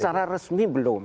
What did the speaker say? secara resmi belum